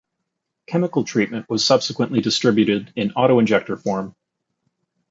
Chemical treatment was subsequently distributed in Autoinjector form.